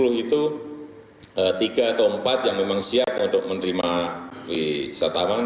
sepuluh itu tiga atau empat yang memang siap untuk menerima wisatawan